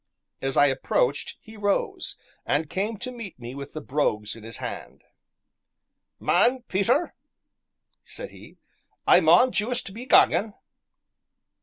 As I approached he rose, and came to meet me with the brogues in his hand. "Man, Peter," said he, "I maun juist be gangin'."